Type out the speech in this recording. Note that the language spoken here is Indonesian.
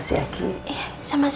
tidak ada apa apa